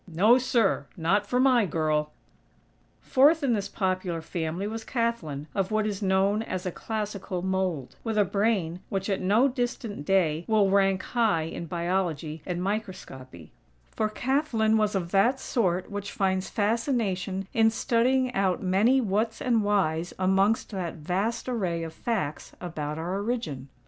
No, sir!! Not for my girl!!" Fourth in this popular family was Kathlyn, of what is known as a "classical mold;" with a brain which, at no distant day, will rank high in Biology and Microscopy; for Kathlyn was of that sort which finds fascination in studying out many whats and whys amongst that vast array of facts about our origin.